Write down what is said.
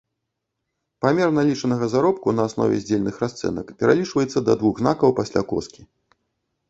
Памер налічанага заробку на аснове здзельных расцэнак пералічваецца да двух знакаў пасля коскі.